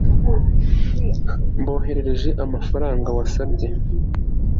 Mboherereje amafaranga wasabye